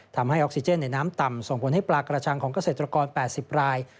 ทำให้ออกซิเจนในน้ำต่ำส่งผลให้ปลากระชังของเกษตรกร๘๐ราย